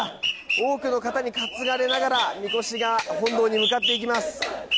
多くの方に担がれながらみこしが本堂に向かっていきます。